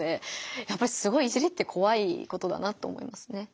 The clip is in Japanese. やっぱりすごい「いじり」ってこわいことだなと思いますね。